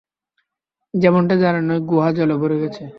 যেমনটা জানেনই গুহা জলে ভরে গেছে।